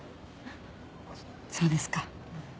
そうですか。